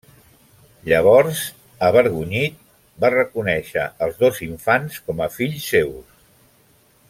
Llavors, avergonyit, va reconèixer els dos infants com a fills seus.